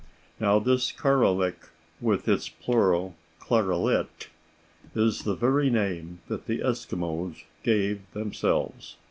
Now this "Karalik," with its plural "Karalit," is the very name that the Eskimos give themselves.